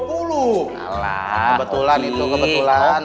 kebetulan itu kebetulan